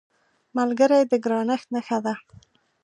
ملګری د ګرانښت نښه ده